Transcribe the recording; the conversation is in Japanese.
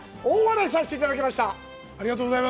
大笑いさせていただきました。